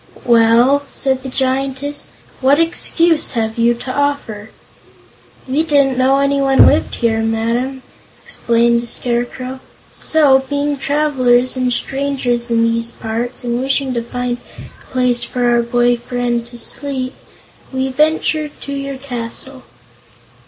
"Well," said the Giantess, "what excuse have you to offer?" "We didn't know anyone lived here, Madam," explained the Scarecrow; "so, being travelers and strangers in these parts, and wishing to find a place for our boy friend to sleep, we ventured to enter your castle."